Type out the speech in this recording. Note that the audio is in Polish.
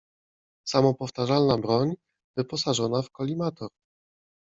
Samopowtarzalna broń wyposażona w kolimator.